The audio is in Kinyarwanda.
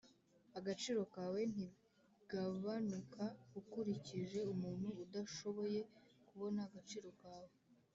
agaciro kawe ntigabanuka ukurikije umuntu udashoboye kubona agaciro kawe.